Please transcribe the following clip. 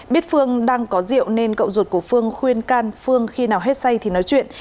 biết phương đang có rượu nên cậu ruột của phương khuyên can phương khi nào hết say thì nói chuyện